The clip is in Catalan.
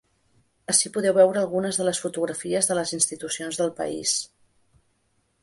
Ací podeu veure algunes de les fotografies de les institucions del país.